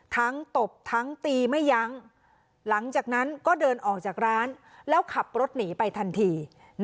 ตบทั้งตีไม่ยั้งหลังจากนั้นก็เดินออกจากร้านแล้วขับรถหนีไปทันที